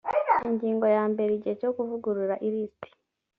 ingingo yambere igihe cyo kuvugurura ilisiti